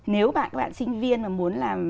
nếu các bạn sinh viên mà muốn làm